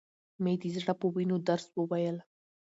مې د زړه په وينو درس وويل.